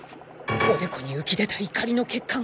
おでこに浮き出た怒りの血管。